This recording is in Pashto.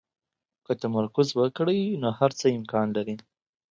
که تمرکز وکړئ، نو هر څه امکان لري.